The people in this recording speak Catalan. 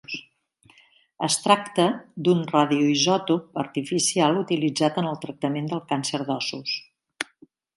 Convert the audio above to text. Es tracta d'un radioisòtop artificial utilitzat en el tractament del càncer d'ossos.